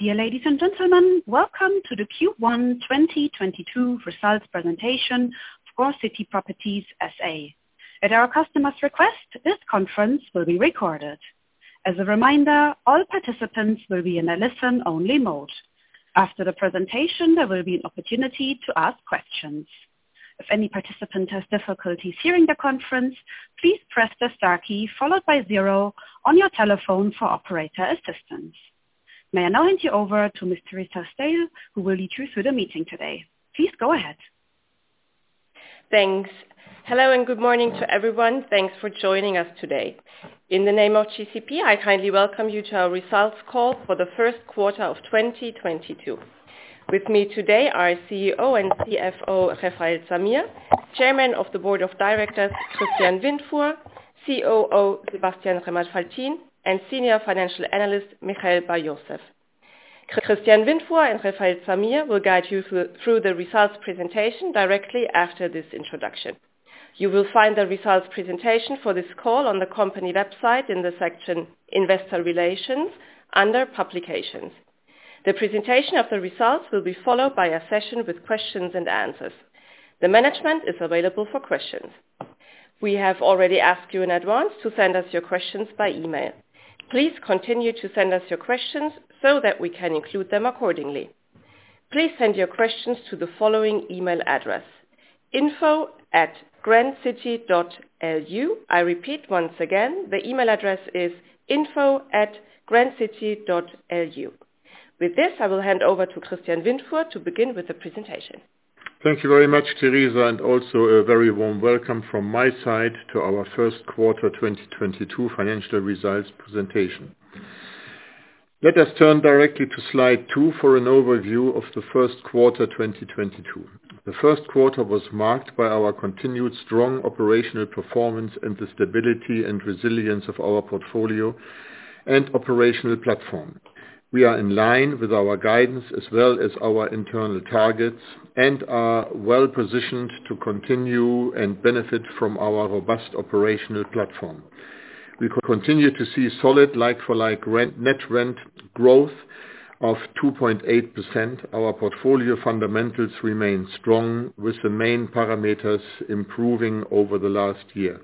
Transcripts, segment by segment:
Dear ladies and gentlemen, welcome to the Q1 2022 results presentation for Grand City Properties S.A. At our customer's request, this conference will be recorded. As a reminder, all participants will be in a listen-only mode. After the presentation, there will be an opportunity to ask questions. If any participant has difficulties hearing the conference, please press the star key followed by zero on your telephone for operator assistance. May I now hand you over to Ms. Teresa Staill, who will lead you through the meeting today. Please go ahead. Thanks. Hello, and good morning to everyone. Thanks for joining us today. In the name of GCP, I kindly welcome you to our results call for the first quarter of 2022. With me today are CEO and CFO Refael Zamir, Chairman of the Board of Directors Christian Windfuhr, COO Sebastian Remmel-Faltin, and Senior Financial Analyst Michael Bar-Yosef. Christian Windfuhr and Refael Zamir will guide you through the results presentation directly after this introduction. You will find the results presentation for this call on the company website in the section Investor Relations under Publications. The presentation of the results will be followed by a session with questions and answers. The management is available for questions. We have already asked you in advance to send us your questions by email. Please continue to send us your questions so that we can include them accordingly. Please send your questions to the following email address: info@grandcity.lu. I repeat once again, the email address is info@grandcity.lu. With this, I will hand over to Christian Windfuhr to begin with the presentation. Thank you very much, Teresa, and also a very warm welcome from my side to our first quarter 2022 financial results presentation. Let us turn directly to slide two for an overview of the first quarter 2022. The first quarter was marked by our continued strong operational performance and the stability and resilience of our portfolio and operational platform. We are in line with our guidance as well as our internal targets, and are well-positioned to continue and benefit from our robust operational platform. We continue to see solid like-for-like rent net rent growth of 2.8%. Our portfolio fundamentals remain strong, with the main parameters improving over the last year.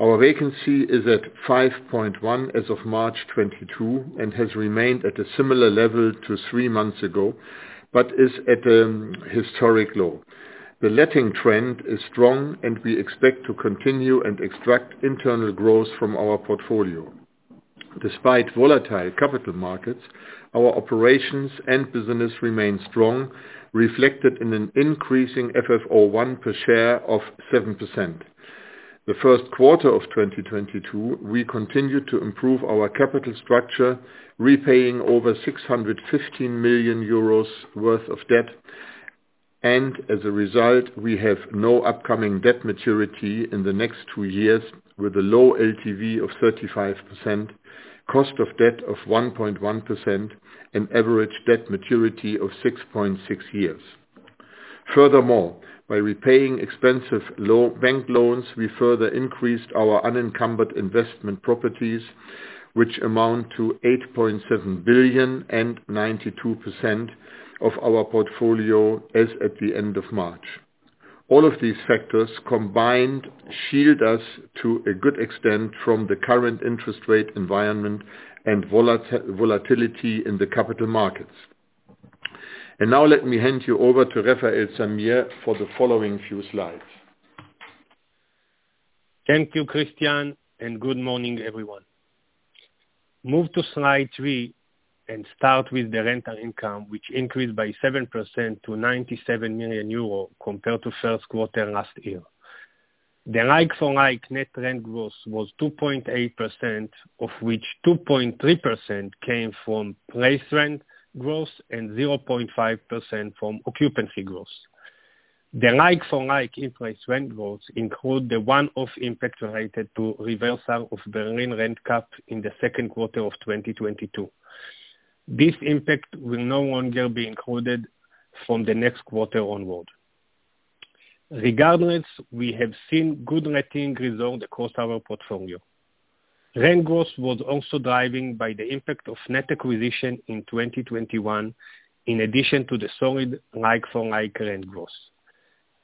Our vacancy is at 5.1% as of March 2022, and has remained at a similar level to three months ago, but is at a historic low. The letting trend is strong, and we expect to continue and extract internal growth from our portfolio. Despite volatile capital markets, our operations and business remain strong, reflected in an increasing FFO I per share of 7%. The first quarter of 2022, we continued to improve our capital structure, repaying over 615 million euros worth of debt. As a result, we have no upcoming debt maturity in the next two years with a low LTV of 35%, cost of debt of 1.1%, and average debt maturity of 6.6 years. Furthermore, by repaying expensive bank loans, we further increased our unencumbered investment properties, which amount to 8.7 billion and 92% of our portfolio as at the end of March. All of these factors combined shield us to a good extent from the current interest rate environment and volatility in the capital markets. Now let me hand you over to Refael Zamir for the following few slides. Thank you, Christian, and good morning, everyone. Move to slide three and start with the rental income, which increased by 7% to 97 million euro compared to first quarter last year. The like-for-like net rent growth was 2.8%, of which 2.3% came from in-place rent growth and 0.5% from occupancy growth. The like-for-like in-place rent growth include the one-off impact related to reversal of Berlin rent cap in the second quarter of 2022. This impact will no longer be included from the next quarter onward. Regardless, we have seen good letting results across our portfolio. Rent growth was also driven by the impact of net acquisition in 2021, in addition to the solid like-for-like rent growth.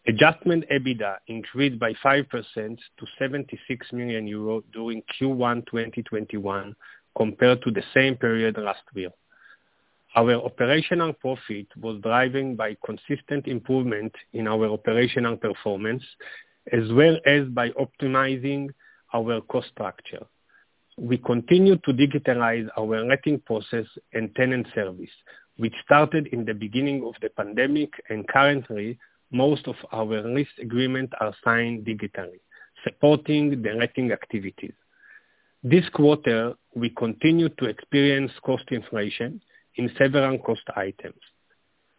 Adjusted EBITDA increased by 5% to 76 million euro during Q1 2021, compared to the same period last year. Our operational profit was driven by consistent improvement in our operational performance, as well as by optimizing our cost structure. We continue to digitalize our letting process and tenant service, which started in the beginning of the pandemic. Currently, most of our lease agreement are signed digitally, supporting the letting activities. This quarter, we continued to experience cost inflation in several cost items,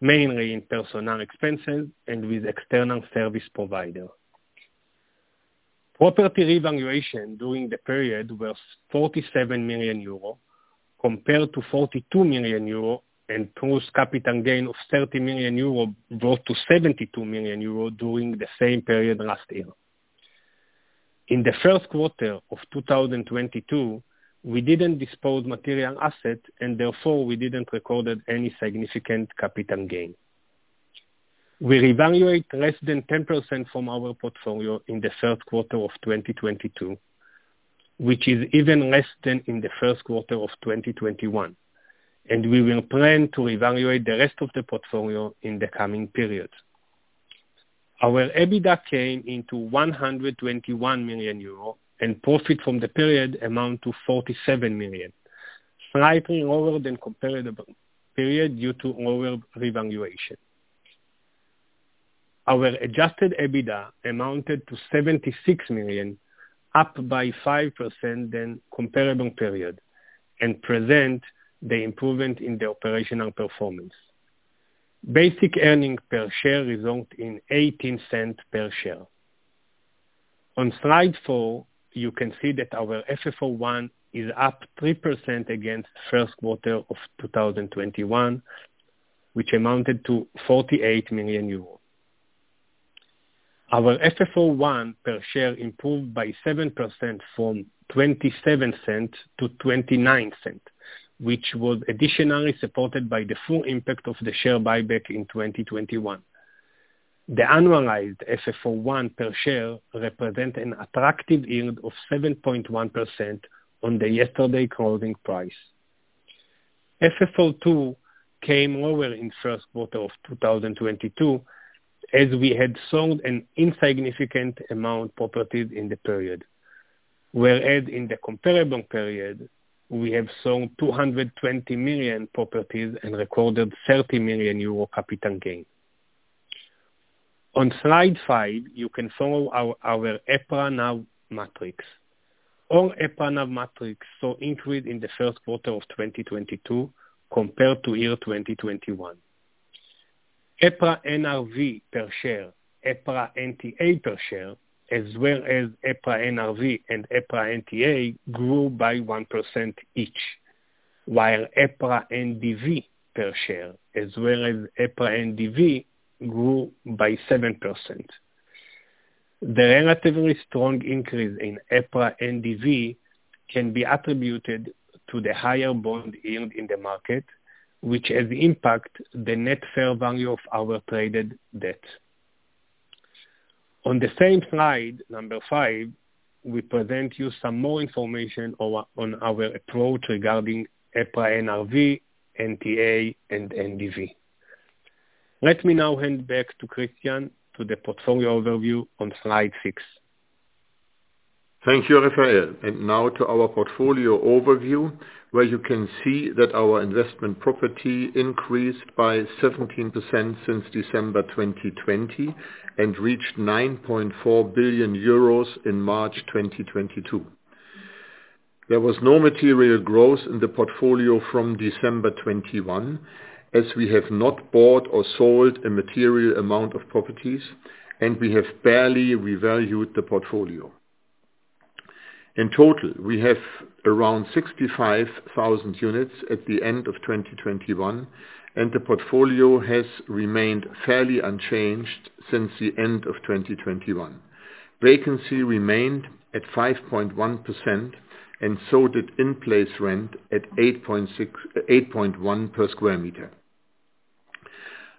mainly in personnel expenses and with external service provider. Property valuation during the period was 47 million euro compared to 42 million euro and gross capital gain of 30 million euro, growth to 72 million euro during the same period last year. In the first quarter of 2022, we didn't dispose material asset and therefore we didn't record any significant capital gain. We revalue less than 10% of our portfolio in the third quarter of 2022, which is even less than in the first quarter of 2021, and we plan to revalue the rest of the portfolio in the coming period. Our EBITDA came in at 121 million euro and profit for the period amounts to 47 million, slightly lower than the comparable period due to lower revaluation. Our adjusted EBITDA amounted to 76 million, up 5% from the comparable period, and presents the improvement in the operational performance. Basic earnings per share results in 0.18 per share. On slide four, you can see that our FFO I is up 3% against the first quarter of 2021, which amounted to 48 million euros. Our FFO I per share improved by 7% from 0.27 to 0.29, which was additionally supported by the full impact of the share buyback in 2021. The annualized FFO I per share represent an attractive yield of 7.1% on the yesterday closing price. FFO II came lower in first quarter of 2022, as we had sold an insignificant amount properties in the period, whereas in the comparable period, we have sold 220 million properties and recorded 30 million euro capital gain. On slide five, you can follow our EPRA NAV metrics. All EPRA NAV metrics saw increase in the first quarter of 2022 compared to year 2021. EPRA NRV per share, EPRA NTA per share, as well as EPRA NRV and EPRA NTA grew by 1% each, while EPRA NDV per share, as well as EPRA NDV grew by 7%. The relatively strong increase in EPRA NDV can be attributed to the higher bond yield in the market, which has impacted the net fair value of our traded debt. On the same slide, number five, we present you some more information on our approach regarding EPRA NRV, NTA, and NDV. Let me now hand back to Christian to the portfolio overview on slide six. Thank you, Refael. Now to our portfolio overview, where you can see that our investment property increased by 17% since December 2020, and reached 9.4 billion euros in March 2022. There was no material growth in the portfolio from December 2021, as we have not bought or sold a material amount of properties, and we have barely revalued the portfolio. In total, we have around 65,000 units at the end of 2021, and the portfolio has remained fairly unchanged since the end of 2021. Vacancy remained at 5.1%, and so did in-place rent at 8.1 per square meter.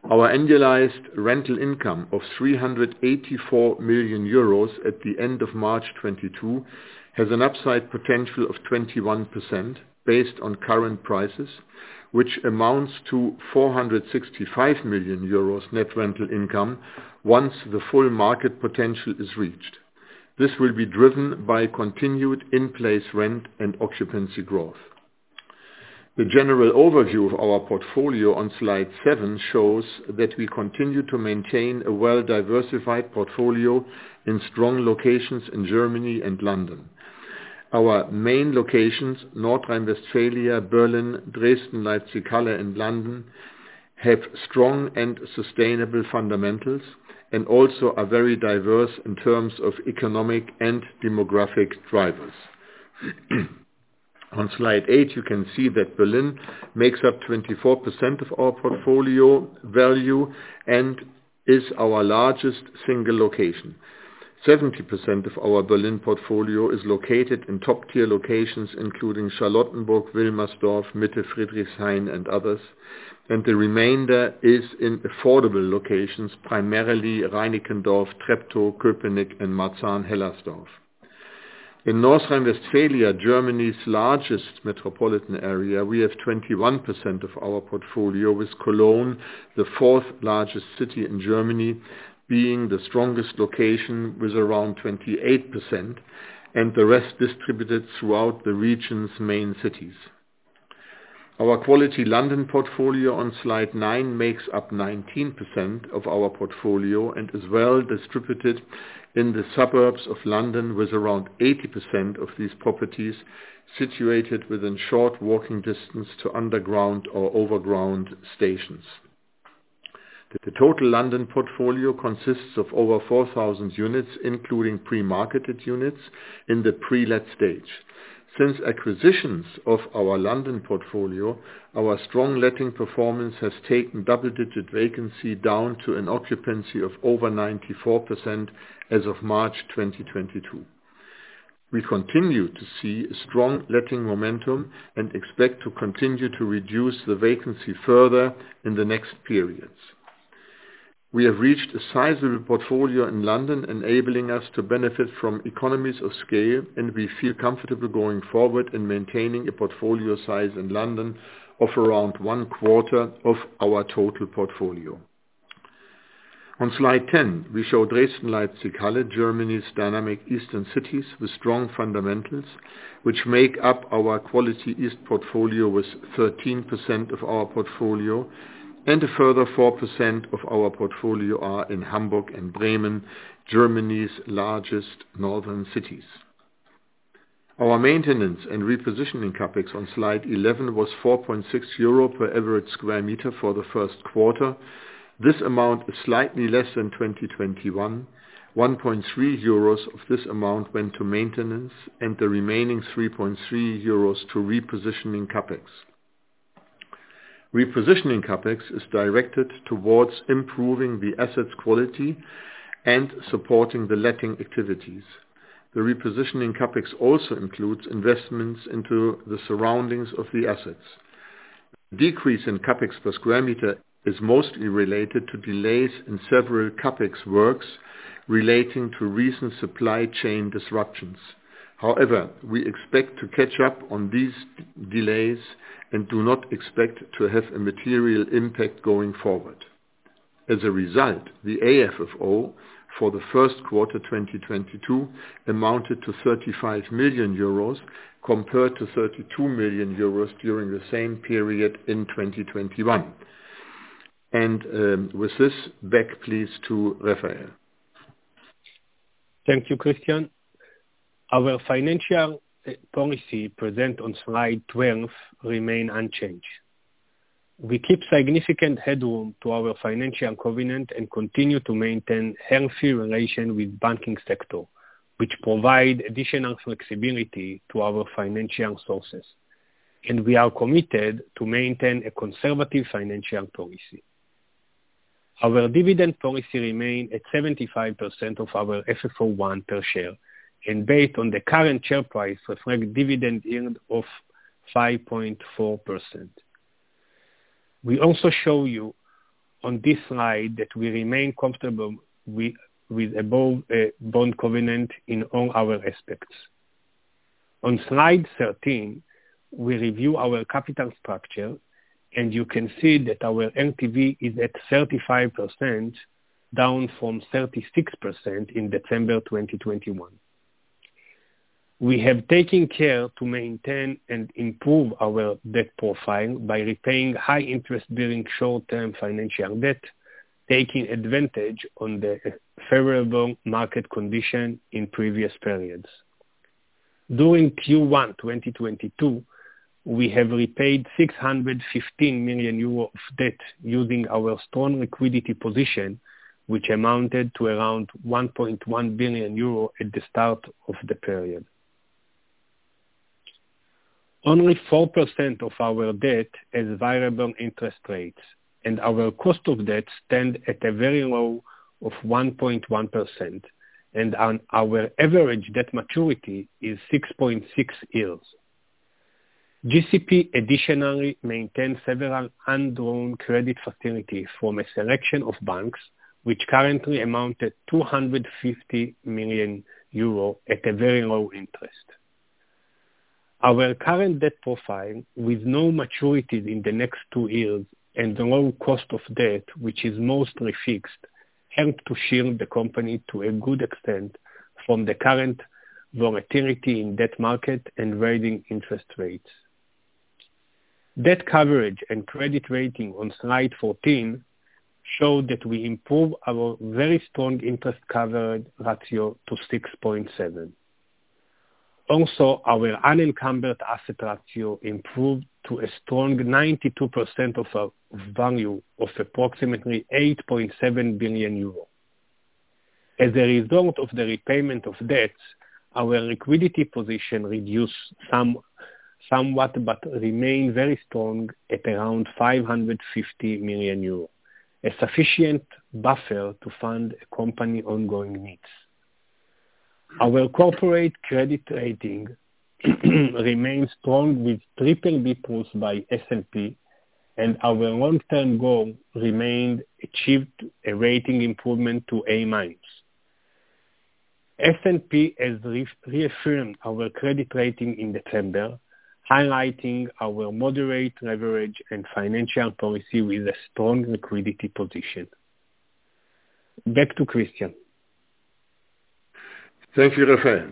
Our annualized rental income of 384 million euros at the end of March 2022 has an upside potential of 21% based on current prices, which amounts to 465 million euros net rental income once the full market potential is reached. This will be driven by continued in-place rent and occupancy growth. The general overview of our portfolio on slide seven shows that we continue to maintain a well-diversified portfolio in strong locations in Germany and London. Our main locations, North Rhine-Westphalia, Berlin, Dresden, Leipzig, Halle, and London, have strong and sustainable fundamentals and also are very diverse in terms of economic and demographic drivers. On slide eight, you can see that Berlin makes up 24% of our portfolio value and is our largest single location. 70% of our Berlin portfolio is located in top-tier locations including Charlottenburg, Wilmersdorf, Mitte, Friedrichshain, and others. The remainder is in affordable locations, primarily Reinickendorf, Treptow-Köpenick, and Marzahn-Hellersdorf. In North Rhine-Westphalia, Germany's largest metropolitan area, we have 21% of our portfolio with Cologne, the fourth largest city in Germany, being the strongest location with around 28%, and the rest distributed throughout the region's main cities. Our quality London portfolio on slide nine makes up 19% of our portfolio and is well distributed in the suburbs of London with around 80% of these properties situated within short walking distance to underground or overground stations. The total London portfolio consists of over 4,000 units, including pre-marketed units in the pre-let stage. Since acquisitions of our London portfolio, our strong letting performance has taken double-digit vacancy down to an occupancy of over 94% as of March 2022. We continue to see strong letting momentum and expect to continue to reduce the vacancy further in the next periods. We have reached a sizable portfolio in London, enabling us to benefit from economies of scale, and we feel comfortable going forward in maintaining a portfolio size in London of around one quarter of our total portfolio. On slide 10, we show Dresden, Leipzig, Halle, Germany's dynamic eastern cities with strong fundamentals, which make up our quality East portfolio with 13% of our portfolio. A further 4% of our portfolio are in Hamburg and Bremen, Germany's largest northern cities. Our maintenance and repositioning CapEx on slide 11 was 4.6 euro per average square meter for the first quarter. This amount is slightly less than 2021. 1.3 euros of this amount went to maintenance, and the remaining 3.3 euros to repositioning CapEx. Repositioning CapEx is directed towards improving the assets' quality and supporting the letting activities. The repositioning CapEx also includes investments into the surroundings of the assets. Decrease in CapEx per square meter is mostly related to delays in several CapEx works relating to recent supply chain disruptions. However, we expect to catch up on these delays and do not expect to have a material impact going forward. As a result, the AFFO for the first quarter 2022 amounted to 35 million euros compared to 32 million euros during the same period in 2021. With this, back please to Refael. Thank you, Christian. Our financial policy present on slide 12 remain unchanged. We keep significant headroom to our financial covenant and continue to maintain healthy relation with banking sector, which provide additional flexibility to our financial resources. We are committed to maintain a conservative financial policy. Our dividend policy remain at 75% of our FFO I per share, and based on the current share price, reflect dividend yield of 5.4%. We also show you on this slide that we remain comfortable with above bond covenant in all our aspects. On slide 13, we review our capital structure, and you can see that our LTV is at 35%, down from 36% in December 2021. We have taken care to maintain and improve our debt profile by repaying high interest during short-term financial debt, taking advantage on the favorable market condition in previous periods. During Q1 2022, we have repaid 615 million euro of debt using our strong liquidity position, which amounted to around 1.1 billion euro at the start of the period. Only 4% of our debt has variable interest rates, and our cost of debt stand at a very low of 1.1%. Our average debt maturity is 6.6 years. GCP additionally maintains several undrawn credit facilities from a selection of banks, which currently amount to 250 million euro at a very low interest. Our current debt profile, with no maturities in the next two years and the low cost of debt, which is mostly fixed, help to shield the company to a good extent from the current volatility in debt market and rising interest rates. Debt coverage and credit rating on slide 14 show that we improve our very strong interest cover ratio to 6.7. Also, our unencumbered asset ratio improved to a strong 92% of our value of approximately 8.7 billion euro. As a result of the repayment of debts, our liquidity position reduced somewhat, but remain very strong at around 550 million euro, a sufficient buffer to fund the company ongoing needs. Our corporate credit rating remains strong, with BBB+ by S&P, and our long-term goal remains to achieve a rating improvement to A-. S&P has reaffirmed our credit rating in December, highlighting our moderate leverage and financial policy with a strong liquidity position. Back to Christian. Thank you, Refael.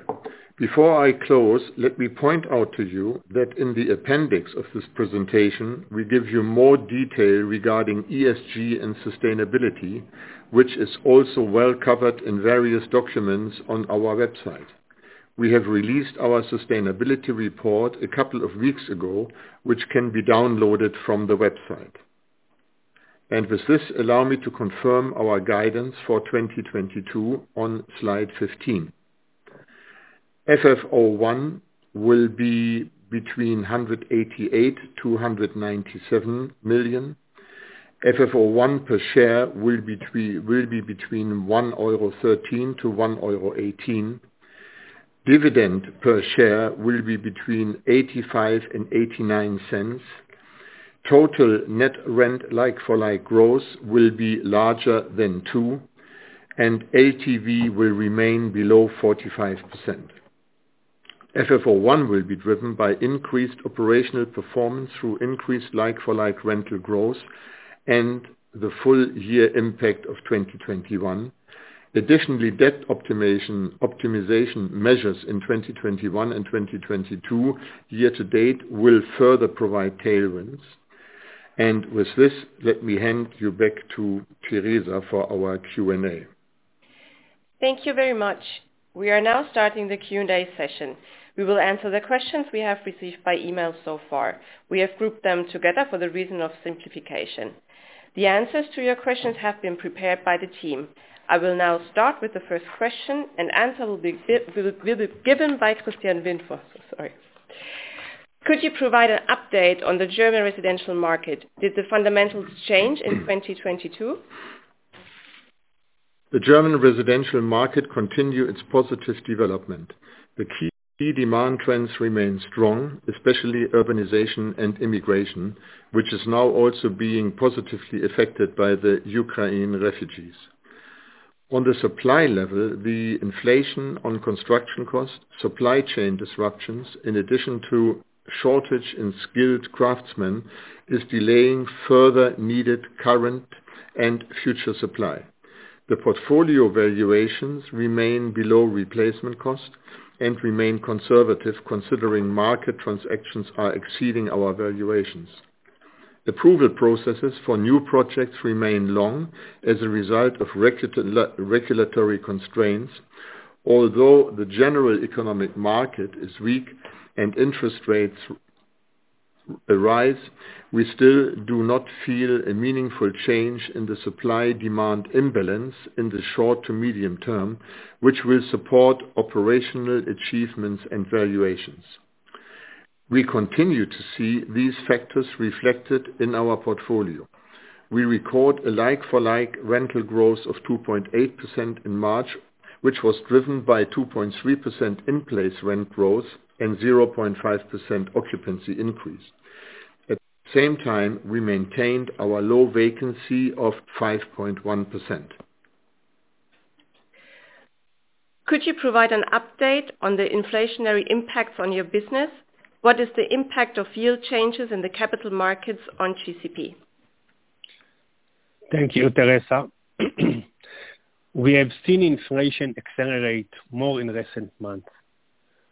Before I close, let me point out to you that in the appendix of this presentation, we give you more detail regarding ESG and sustainability, which is also well-covered in various documents on our website. We have released our sustainability report a couple of weeks ago, which can be downloaded from the website. With this, allow me to confirm our guidance for 2022 on slide 15. FFO I will be between 188 million-297 million. FFO I per share will be between 1.13-1.18 euro. Dividend per share will be between 0.85-0.89. Total net rent like-for-like growth will be larger than 2%, and LTV will remain below 45%. FFO I will be driven by increased operational performance through increased like-for-like rental growth and the full year impact of 2021. Additionally, debt optimization measures in 2021 and 2022 year to date will further provide tailwinds. With this, let me hand you back to Teresa for our Q&A. Thank you very much. We are now starting the Q&A session. We will answer the questions we have received by email so far. We have grouped them together for the reason of simplification. The answers to your questions have been prepared by the team. I will now start with the first question, and answer will be given by Christian Windfuhr. Sorry. Could you provide an update on the German residential market? Did the fundamentals change in 2022? The German residential market continues its positive development. The key demand trends remain strong, especially urbanization and immigration, which is now also being positively affected by the Ukrainian refugees. On the supply level, the inflation on construction costs, supply chain disruptions, in addition to shortage in skilled craftsmen, is delaying further needed current and future supply. The portfolio valuations remain below replacement cost and remain conservative considering market transactions are exceeding our valuations. Approval processes for new projects remain long as a result of regulatory constraints. Although the general economic market is weak and interest rates rise, we still do not feel a meaningful change in the supply demand imbalance in the short to medium term, which will support operational achievements and valuations. We continue to see these factors reflected in our portfolio. We record a like-for-like rental growth of 2.8% in March, which was driven by 2.3% in-place rent growth and 0.5% occupancy increase. At the same time, we maintained our low vacancy of 5.1%. Could you provide an update on the inflationary impacts on your business? What is the impact of yield changes in the capital markets on GCP? Thank you, Teresa. We have seen inflation accelerate more in recent months,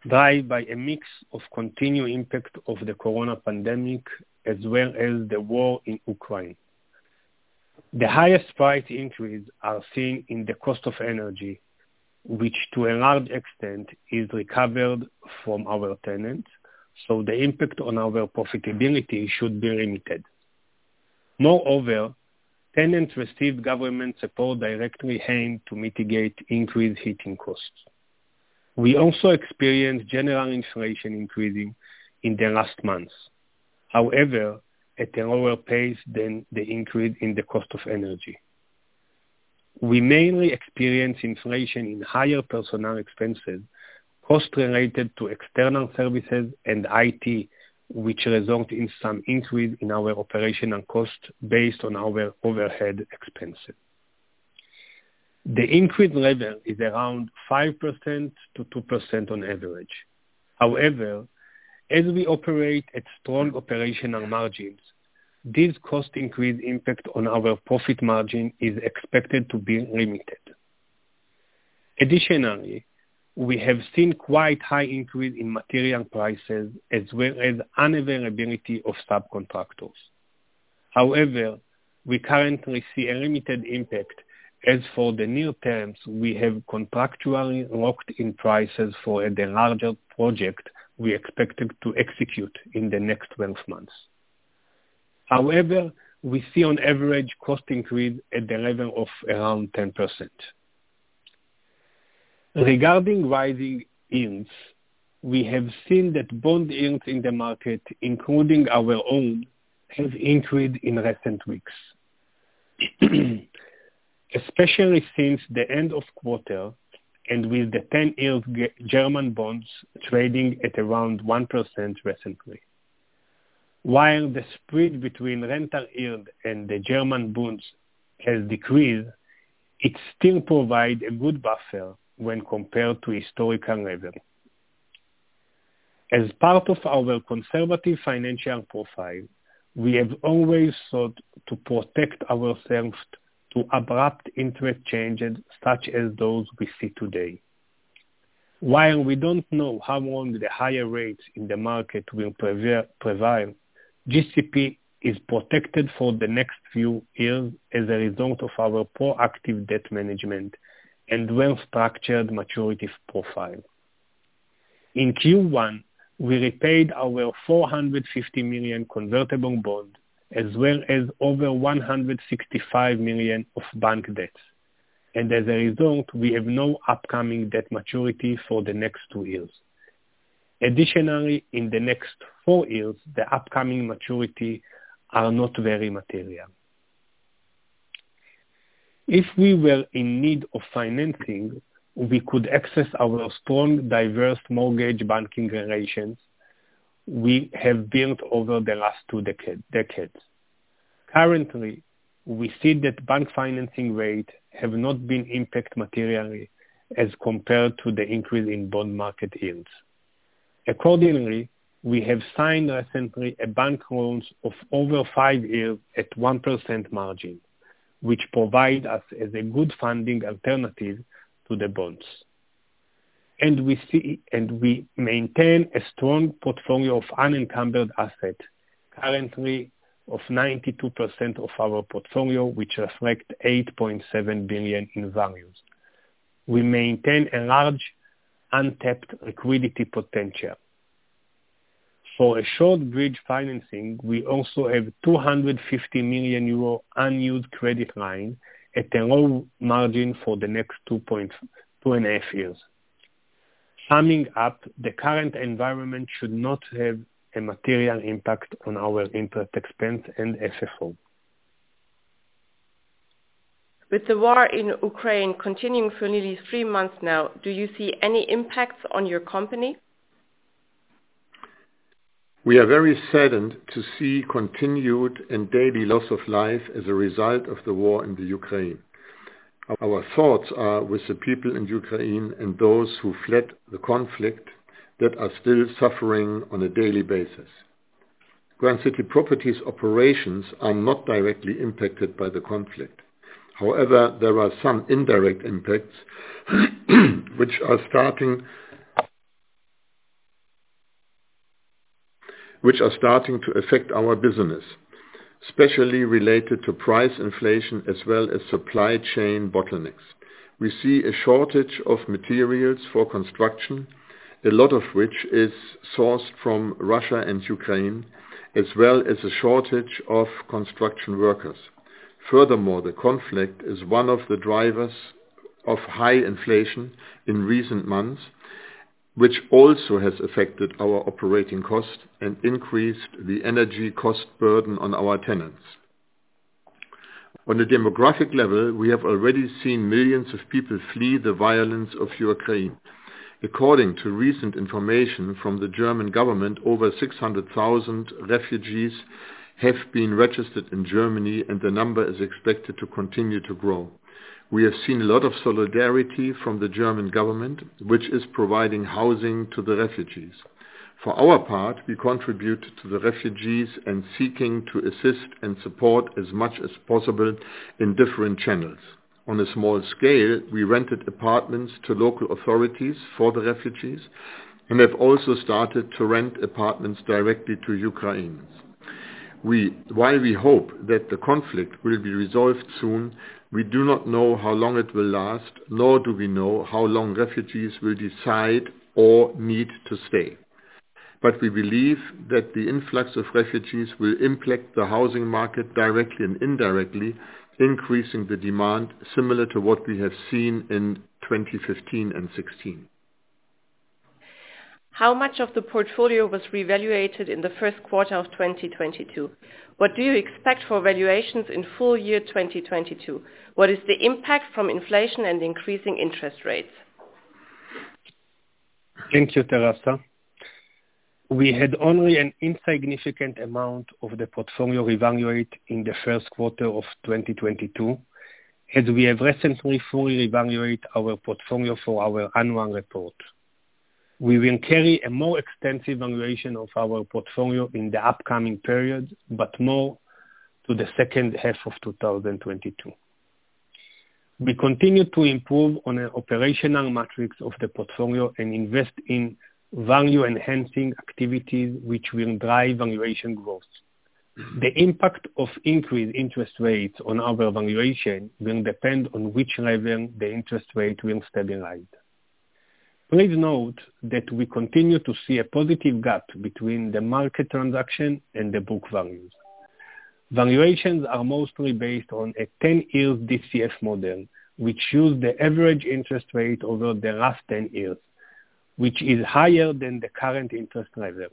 driven by a mix of continued impact of the Corona pandemic as well as the war in Ukraine. The highest price increase are seen in the cost of energy, which to a large extent is recovered from our tenants, so the impact on our profitability should be limited. Moreover, tenants receive government support directly aimed to mitigate increased heating costs. We also experienced general inflation increasing in the last months, however, at a lower pace than the increase in the cost of energy. We mainly experience inflation in higher personnel expenses, costs related to external services and IT, which result in some increase in our operational costs based on our overhead expenses. The increase level is around 5%-2% on average. However, as we operate at strong operational margins, this cost increase impact on our profit margin is expected to be limited. Additionally, we have seen quite high increase in material prices as well as unavailability of subcontractors. However, we currently see a limited impact as for the new terms we have contractually locked in prices for the larger project we expected to execute in the next 12 months. However, we see on average cost increase at the level of around 10%. Regarding rising yields, we have seen that bond yields in the market, including our own, have increased in recent weeks, especially since the end of quarter and with the 10-year German bonds trading at around 1% recently. While the spread between rental yield and the German bonds has decreased, it still provide a good buffer when compared to historical level. As part of our conservative financial profile, we have always sought to protect ourselves against abrupt interest changes such as those we see today. While we don't know how long the higher rates in the market will prevail, GCP is protected for the next few years as a result of our proactive debt management and well-structured maturities profile. In Q1, we repaid our 450 million convertible bond, as well as over 165 million of bank debts. As a result, we have no upcoming debt maturity for the next two years. Additionally, in the next four years, the upcoming maturity are not very material. If we were in need of financing, we could access our strong, diverse mortgage banking relations we have built over the last two decades. Currently, we see that bank financing rates have not been impacted materially as compared to the increase in bond market yields. Accordingly, we have signed recently a bank loan of over five years at 1% margin, which provides us a good funding alternative to the bonds. We maintain a strong portfolio of unencumbered assets, currently of 92% of our portfolio, which reflect 8.7 billion in values. We maintain a large untapped liquidity potential. For a short bridge financing, we also have 250 million euro unused credit line at a low margin for the next 2.5 years. Summing up, the current environment should not have a material impact on our interest expense and FFO. With the war in Ukraine continuing for nearly three months now, do you see any impacts on your company? We are very saddened to see continued and daily loss of life as a result of the war in the Ukraine. Our thoughts are with the people in Ukraine and those who fled the conflict that are still suffering on a daily basis. Grand City Properties operations are not directly impacted by the conflict. However, there are some indirect impacts, which are starting to affect our business, especially related to price inflation as well as supply chain bottlenecks. We see a shortage of materials for construction, a lot of which is sourced from Russia and Ukraine, as well as a shortage of construction workers. Furthermore, the conflict is one of the drivers of high inflation in recent months, which also has affected our operating cost and increased the energy cost burden on our tenants. On a demographic level, we have already seen millions of people flee the violence of Ukraine. According to recent information from the German government, over 600,000 refugees have been registered in Germany, and the number is expected to continue to grow. We have seen a lot of solidarity from the German government, which is providing housing to the refugees. For our part, we contribute to the refugees and seeking to assist and support as much as possible in different channels. On a small scale, we rented apartments to local authorities for the refugees and have also started to rent apartments directly to Ukrainians. While we hope that the conflict will be resolved soon, we do not know how long it will last, nor do we know how long refugees will decide or need to stay. We believe that the influx of refugees will impact the housing market directly and indirectly, increasing the demand similar to what we have seen in 2015 and 2016. How much of the portfolio was reevaluated in the first quarter of 2022? What do you expect for valuations in full year 2022? What is the impact from inflation and increasing interest rates? Thank you, Teresa. We had only an insignificant amount of the portfolio evaluated in the first quarter of 2022, as we have recently fully evaluated our portfolio for our annual report. We will carry a more extensive valuation of our portfolio in the upcoming period, but more to the second half of 2022. We continue to improve on the operational metrics of the portfolio and invest in value-enhancing activities which will drive valuation growth. The impact of increased interest rates on our valuation will depend on which level the interest rate will stabilize. Please note that we continue to see a positive gap between the market transaction and the book values. Valuations are mostly based on a 10-year DCF model, which use the average interest rate over the last 10 years, which is higher than the current interest level.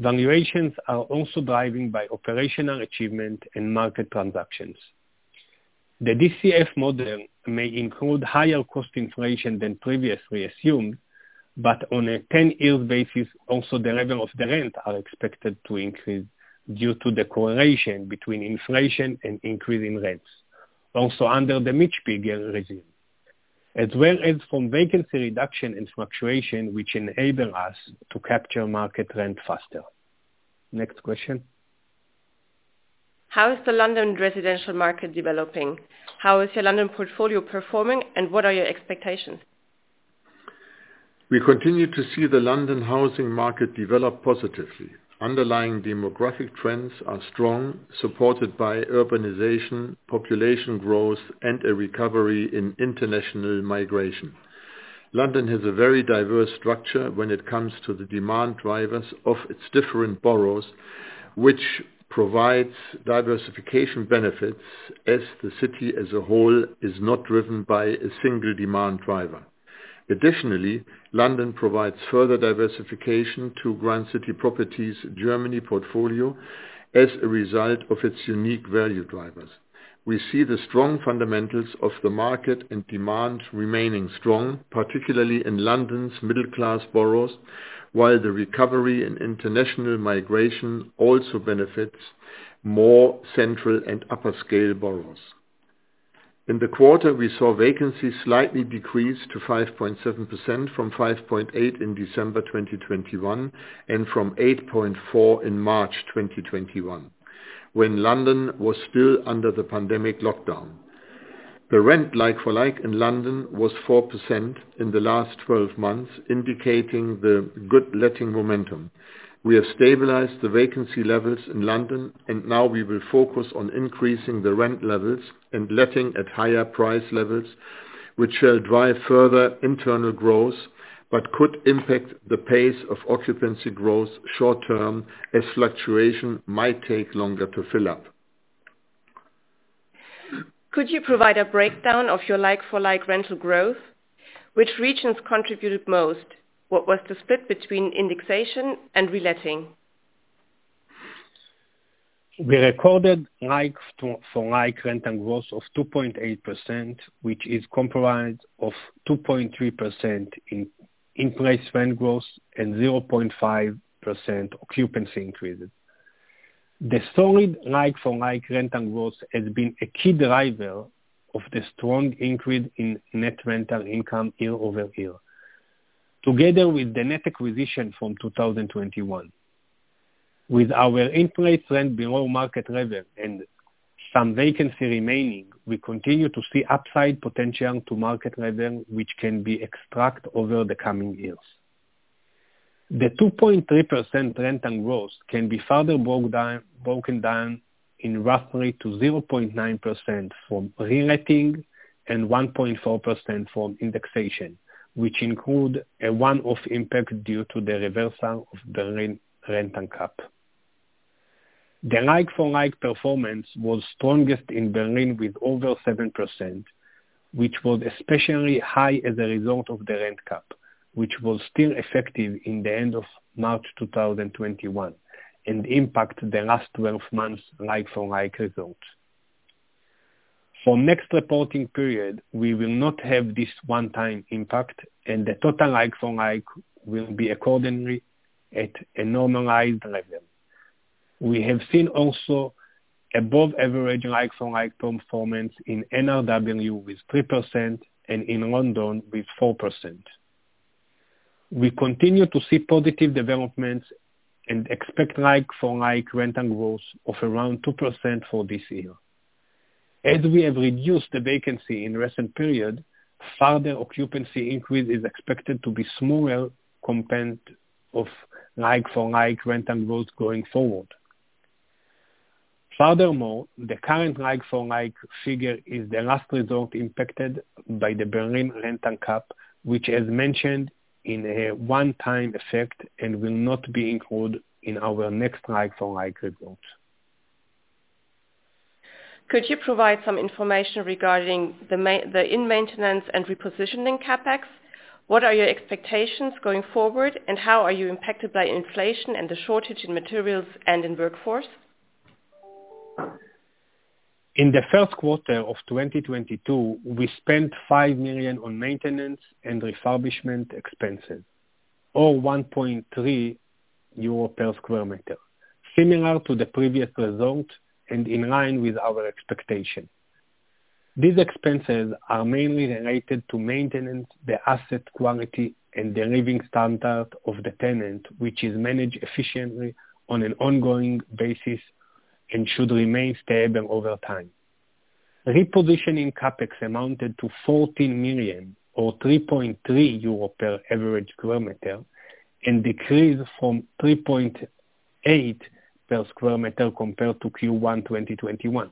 Valuations are also driven by operational achievement and market transactions. The DCF model may include higher cost inflation than previously assumed, but on a 10-year basis, also the level of the rent are expected to increase due to the correlation between inflation and increase in rents, also under the Mietspiegel regime. As well as from vacancy reduction and fluctuation, which enable us to capture market rent faster. Next question. How is the London residential market developing? How is your London portfolio performing and what are your expectations? We continue to see the London housing market develop positively. Underlying demographic trends are strong, supported by urbanization, population growth, and a recovery in international migration. London has a very diverse structure when it comes to the demand drivers of its different boroughs, which provides diversification benefits as the city as a whole is not driven by a single demand driver. Additionally, London provides further diversification to Grand City Properties Germany portfolio as a result of its unique value drivers. We see the strong fundamentals of the market and demand remaining strong, particularly in London's middle class boroughs, while the recovery in international migration also benefits more central and upper scale boroughs. In the quarter, we saw vacancy slightly decrease to 5.7% from 5.8% in December 2021, and from 8.4% in March 2021, when London was still under the pandemic lockdown. The rent like-for-like in London was 4% in the last 12 months, indicating the good letting momentum. We have stabilized the vacancy levels in London, and now we will focus on increasing the rent levels and letting at higher price levels, which shall drive further internal growth, but could impact the pace of occupancy growth short term as fluctuation might take longer to fill up. Could you provide a breakdown of your like-for-like rental growth? Which regions contributed most? What was the split between indexation and reletting? We recorded like-for-like rental growth of 2.8%, which is comprised of 2.3% in-place rent growth and 0.5% occupancy increases. The solid like-for-like rental growth has been a key driver of the strong increase in net rental income year-over-year, together with the net acquisition from 2021. With our in-place rent below market level and some vacancy remaining, we continue to see upside potential to market level, which can be extracted over the coming years. The 2.3% rent growth can be further broken down into roughly 0.9% from reletting and 1.4% from indexation, which include a one-off impact due to the reversal of the rental cap. The like-for-like performance was strongest in Berlin with over 7%, which was especially high as a result of the rent cap, which was still effective in the end of March 2021, and impacted the last 12 months like-for-like results. For next reporting period, we will not have this one-time impact and the total like-for-like will be accordingly at a normalized level. We have seen also above average like-for-like performance in NRW with 3% and in London with 4%. We continue to see positive developments and expect like-for-like rental growth of around 2% for this year. As we have reduced the vacancy in recent period, further occupancy increase is expected to be smaller percent of like-for-like rental growth going forward. Furthermore, the current like-for-like figure is the last result impacted by the Berlin rental cap, which is mentioned in a one-time effect and will not be included in our next like-for-like results. Could you provide some information regarding the maintenance and repositioning CapEx? What are your expectations going forward, and how are you impacted by inflation and the shortage in materials and in workforce? In the first quarter of 2022, we spent 5 million on maintenance and refurbishment expenses, or 1.3 euro per square meter, similar to the previous result and in line with our expectation. These expenses are mainly related to maintenance, the asset quality and the living standard of the tenant, which is managed efficiently on an ongoing basis and should remain stable over time. Repositioning CapEx amounted to 14 million or 3.3 euro per average square meter, and decreased from 3.8 per square meter compared to Q1 2021.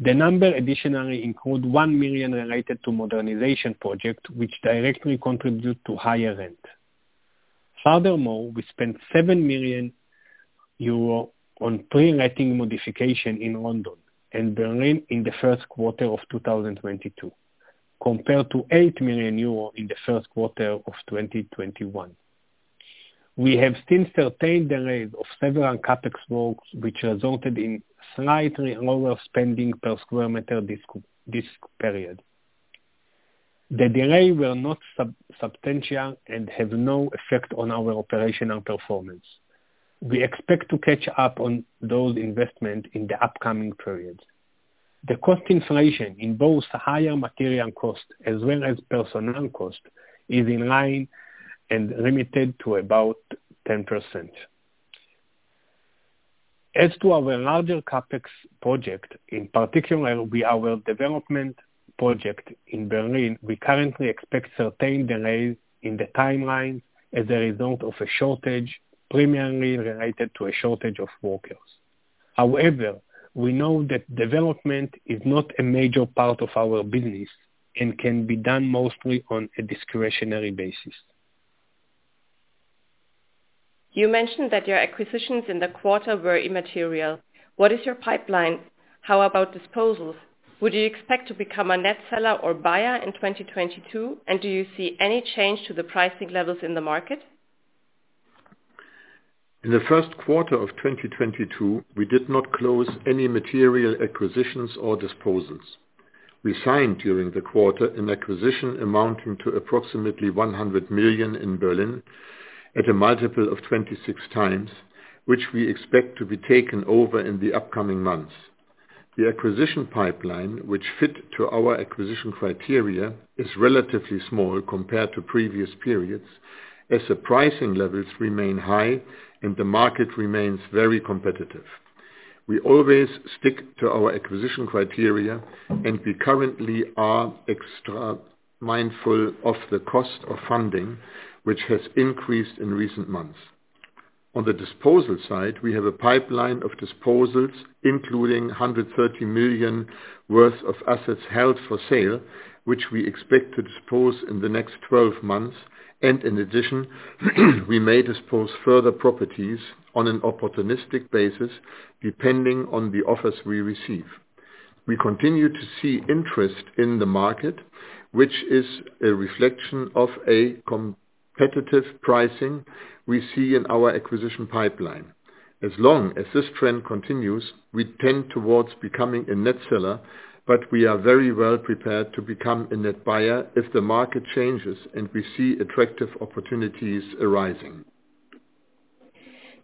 The number additionally include 1 million related to modernization project, which directly contribute to higher rent. Furthermore, we spent 7 million euro on pre-letting modification in London and Berlin in the first quarter of 2022, compared to 8 million euro in the first quarter of 2021. We have since retained the rate of several CapEx works, which resulted in slightly lower spending per square meter this period. The delays were not substantial and have no effect on our operational performance. We expect to catch up on those investments in the upcoming periods. The cost inflation in both higher material cost as well as personnel cost is in line and limited to about 10%. As to our larger CapEx project, in particular will be our development project in Berlin, we currently expect certain delays in the timeline as a result of a shortage, primarily related to a shortage of workers. However, we know that development is not a major part of our business and can be done mostly on a discretionary basis. You mentioned that your acquisitions in the quarter were immaterial. What is your pipeline? How about disposals? Would you expect to become a net seller or buyer in 2022, and do you see any change to the pricing levels in the market? In the first quarter of 2022, we did not close any material acquisitions or disposals. We signed during the quarter an acquisition amounting to approximately 100 million in Berlin at a multiple of 26x, which we expect to be taken over in the upcoming months. The acquisition pipeline, which fit to our acquisition criteria, is relatively small compared to previous periods, as the pricing levels remain high and the market remains very competitive. We always stick to our acquisition criteria, and we currently are extra mindful of the cost of funding, which has increased in recent months. On the disposal side, we have a pipeline of disposals, including 130 million worth of assets held for sale, which we expect to dispose in the next 12 months. In addition, we may dispose further properties on an opportunistic basis, depending on the offers we receive. We continue to see interest in the market, which is a reflection of a competitive pricing we see in our acquisition pipeline. As long as this trend continues, we tend towards becoming a net seller, but we are very well prepared to become a net buyer if the market changes and we see attractive opportunities arising.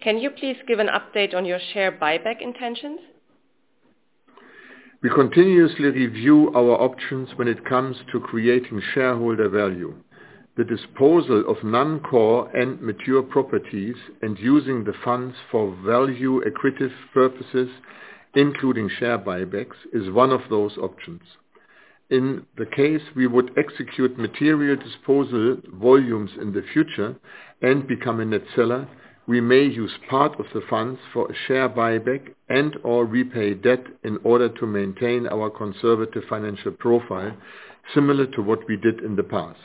Can you please give an update on your share buyback intentions? We continuously review our options when it comes to creating shareholder value. The disposal of non-core and mature properties and using the funds for value accretive purposes, including share buybacks, is one of those options. In the case we would execute material disposal volumes in the future and become a net seller, we may use part of the funds for a share buyback and/or repay debt in order to maintain our conservative financial profile, similar to what we did in the past.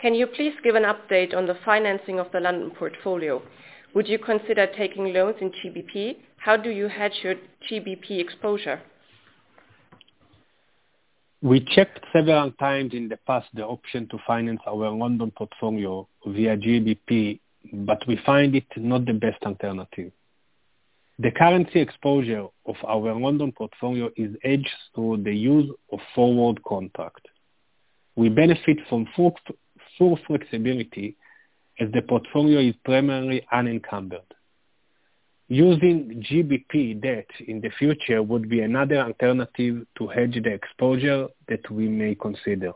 Can you please give an update on the financing of the London portfolio? Would you consider taking loans in GBP? How do you hedge your GBP exposure? We checked several times in the past the option to finance our London portfolio via GBP, but we find it not the best alternative. The currency exposure of our London portfolio is hedged through the use of forward contract. We benefit from full flexibility, as the portfolio is primarily unencumbered. Using GBP debt in the future would be another alternative to hedge the exposure that we may consider.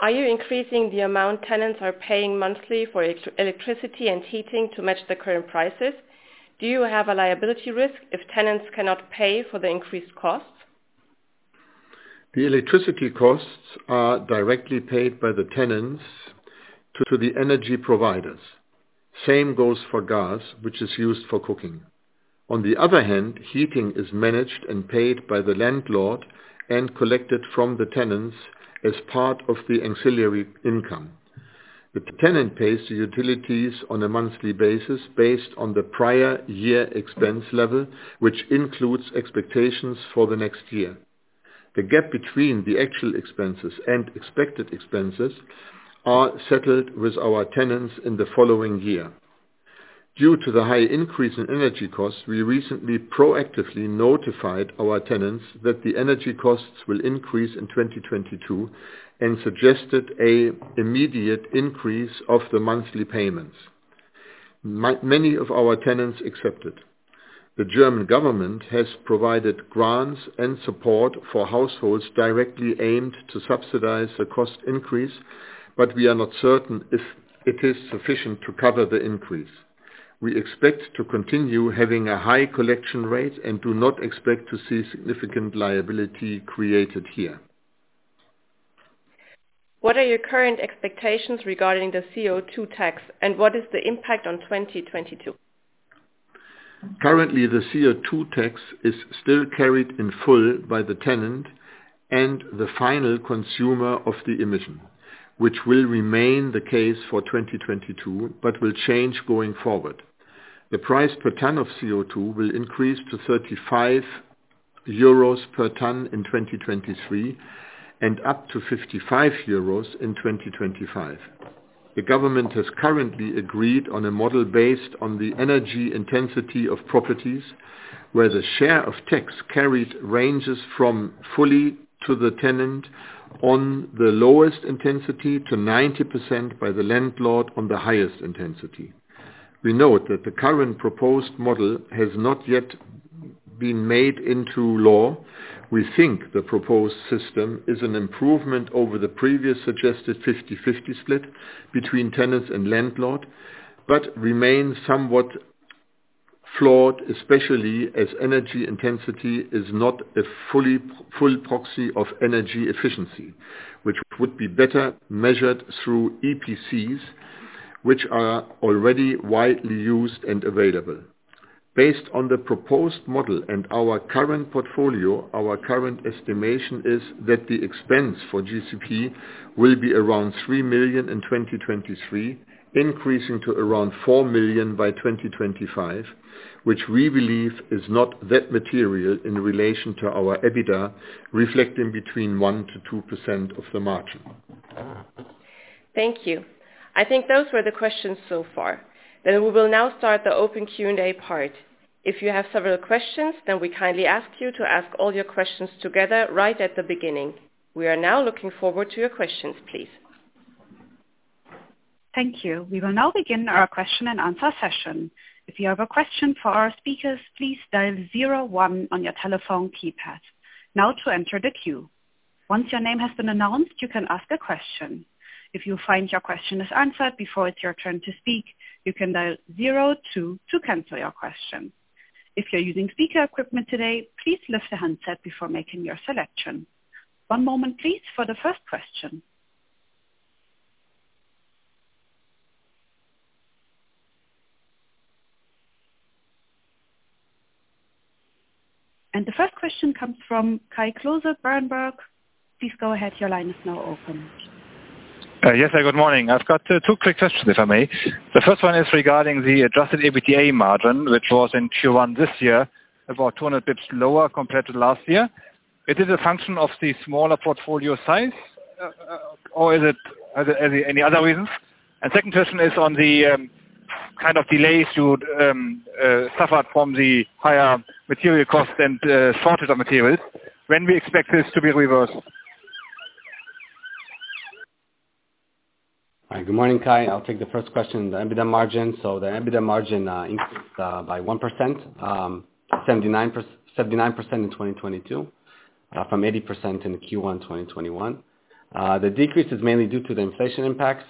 Are you increasing the amount tenants are paying monthly for electricity and heating to match the current prices? Do you have a liability risk if tenants cannot pay for the increased costs? The electricity costs are directly paid by the tenants to the energy providers. Same goes for gas, which is used for cooking. On the other hand, heating is managed and paid by the landlord and collected from the tenants as part of the ancillary income. The tenant pays the utilities on a monthly basis based on the prior year expense level, which includes expectations for the next year. The gap between the actual expenses and expected expenses are settled with our tenants in the following year. Due to the high increase in energy costs, we recently proactively notified our tenants that the energy costs will increase in 2022 and suggested an immediate increase of the monthly payments. Many of our tenants accepted. The German government has provided grants and support for households directly aimed to subsidize the cost increase, but we are not certain if it is sufficient to cover the increase. We expect to continue having a high collection rate and do not expect to see significant liability created here. What are your current expectations regarding the CO₂ tax, and what is the impact on 2022? Currently, the CO₂ tax is still carried in full by the tenant and the final consumer of the emission, which will remain the case for 2022, but will change going forward. The price per ton of CO₂ will increase to 35 euros per ton in 2023 and up to 55 euros in 2025. The government has currently agreed on a model based on the energy intensity of properties, where the share of tax carried ranges from fully by the tenant on the lowest intensity to 90% by the landlord on the highest intensity. We note that the current proposed model has not yet been made into law. We think the proposed system is an improvement over the previous suggested 50/50 split between tenants and landlord, but remains somewhat uncertain, flawed, especially as energy intensity is not a fully foolproof proxy of energy efficiency, which would be better measured through EPCs, which are already widely used and available. Based on the proposed model and our current portfolio, our current estimation is that the expense for GCP will be around 3 million in 2023, increasing to around 4 million by 2025, which we believe is not that material in relation to our EBITDA, reflecting between 1%-2% of the margin. Thank you. I think those were the questions so far. We will now start the open Q&A part. If you have several questions, we kindly ask you to ask all your questions together right at the beginning. We are now looking forward to your questions, please. Thank you. We will now begin our question and answer session. If you have a question for our speakers, please dial zero one on your telephone keypad. Now to enter the queue. Once your name has been announced, you can ask a question. If you find your question is answered before it's your turn to speak, you can dial zero two to cancel your question. If you're using speaker equipment today, please lift the handset before making your selection. One moment please for the first question. The first question comes from Kai Klose, Berenberg. Please go ahead. Your line is now open. Yes, good morning. I've got two quick questions, if I may. The first one is regarding the adjusted EBITDA margin, which was in Q1 this year, about 200 pips lower compared to last year. It is a function of the smaller portfolio size, or is it any other reasons? Second question is on the kind of delays you'd suffered from the higher material costs and shortage of materials. When we expect this to be reversed? All right. Good morning, Kai. I'll take the first question, the EBITDA margin. The EBITDA margin increased by 1%, 79% in 2022 from 80% in Q1 2021. The decrease is mainly due to the inflation impacts.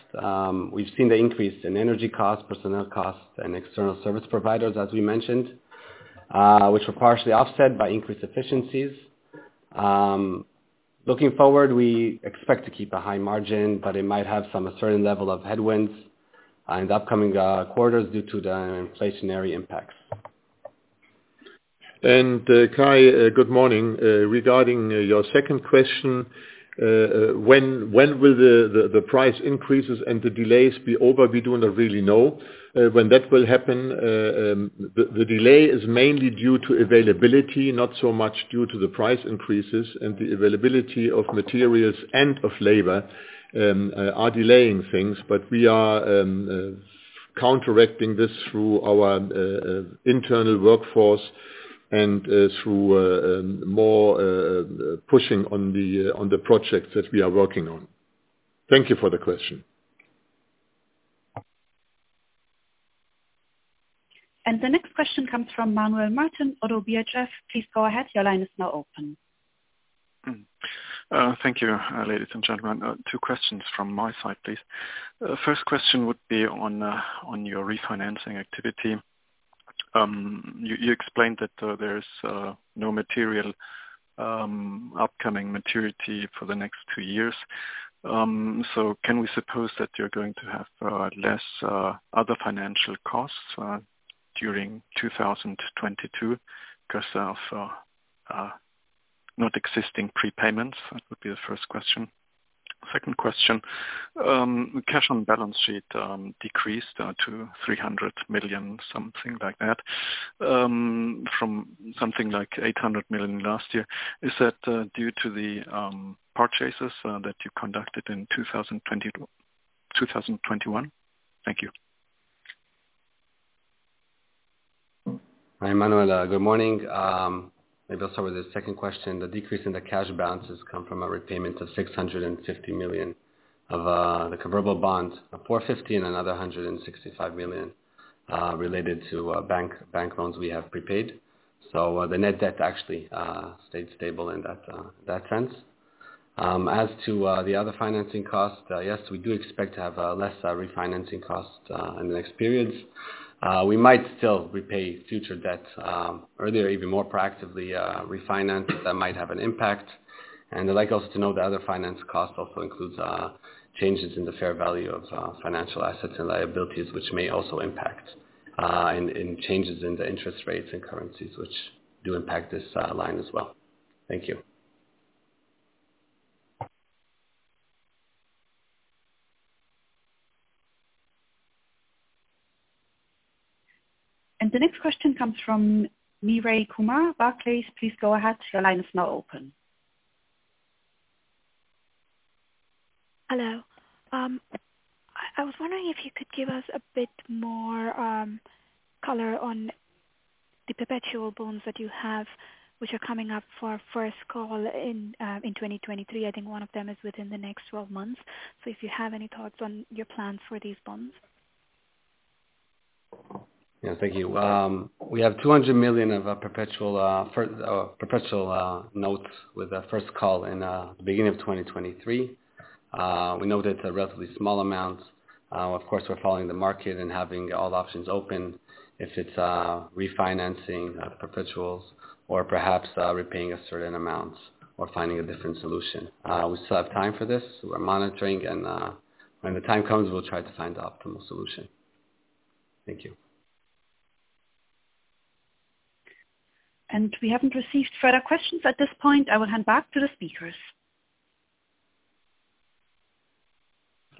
We've seen the increase in energy costs, personnel costs, and external service providers, as we mentioned, which were partially offset by increased efficiencies. Looking forward, we expect to keep a high margin, but it might have some certain level of headwinds in the upcoming quarters due to the inflationary impacts. Kai, good morning. Regarding your second question, when will the price increases and the delays be over? We do not really know when that will happen. The delay is mainly due to availability, not so much due to the price increases. The availability of materials and of labor are delaying things. We are counteracting this through our internal workforce and through more pushing on the projects that we are working on. Thank you for the question. The next question comes from Manuel Martin, Oddo BHF. Please go ahead. Your line is now open. Thank you, ladies and gentlemen. Two questions from my side, please. First question would be on your refinancing activity. You explained that there's no material upcoming maturity for the next two years. Can we suppose that you're going to have less other financial costs during 2022 because of not existing prepayments? That would be the first question. Second question, cash on balance sheet decreased to 300 million, something like that, from something like 800 million last year. Is that due to the purchases that you conducted in 2021? Thank you. Hi, Manuel, good morning. Maybe I'll start with the second question. The decrease in the cash balances come from a repayment of 650 million of the convertible bonds, 450 and another 165 million related to bank loans we have prepaid. The net debt actually stayed stable in that sense. As to the other financing costs, yes, we do expect to have less refinancing costs in the next periods. We might still repay future debts earlier, even more proactively, refinance that might have an impact. I'd like us to know the other finance cost also includes changes in the fair value of financial assets and liabilities, which may also impact in changes in the interest rates and currencies, which do impact this line as well. Thank you. The next question comes from [Mireille Comeaux], Barclays. Please go ahead. Your line is now open. Hello. I was wondering if you could give us a bit more color on the perpetual bonds that you have, which are coming up for first call in 2023. I think one of them is within the next 12 months. If you have any thoughts on your plans for these bonds. Thank you. We have 200 million of perpetual notes with the first call in beginning of 2023. We know that's a relatively small amount. Of course, we're following the market and having all options open. If it's refinancing perpetuals or perhaps repaying a certain amount or finding a different solution. We still have time for this. We're monitoring and when the time comes, we'll try to find the optimal solution. Thank you. We haven't received further questions at this point. I will hand back to the speakers.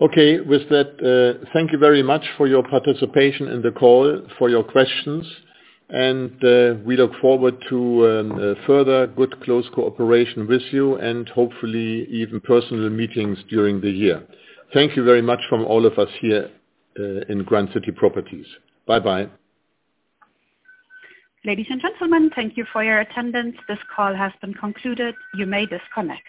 Okay. With that, thank you very much for your participation in the call, for your questions. We look forward to further good close cooperation with you and hopefully even personal meetings during the year. Thank you very much from all of us here in Grand City Properties. Bye-bye. Ladies and gentlemen, thank you for your attendance. This call has been concluded. You may disconnect.